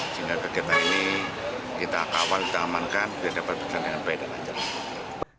sehingga kegiatan ini kita kawal kita amankan biar dapat kegiatan yang beda